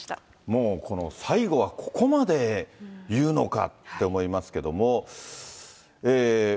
もうこの最後はここまで言うのかって思いますけども。